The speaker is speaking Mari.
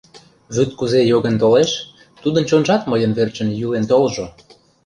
Вӱд кузе йоген толеш, тудын чонжат мыйын верчын йӱлен толжо!